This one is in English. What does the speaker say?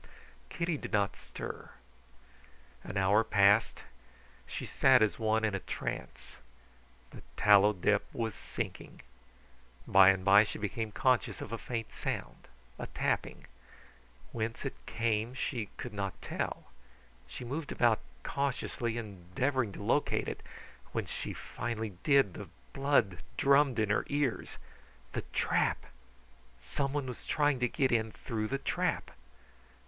Kitty did not stir. An hour passed; she sat as one in a trance. The tallow dip was sinking. By and by she became conscious of a faint sound, a tapping. Whence it came she could not tell. She moved about cautiously, endeavouring to locate it. When she finally did the blood drummed in her ears. The trap! Someone was trying to get in through the trap!